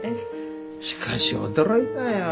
しかし驚いたよ。